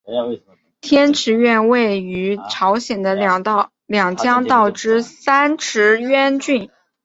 天池院位于朝鲜的两江道之三池渊郡。